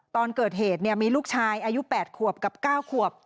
ตอนเกิดเหตุมีลูกชายอายุ๘ขวบกับ๙ขวบ